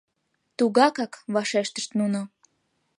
— Тугакак, — вашештышт нуно.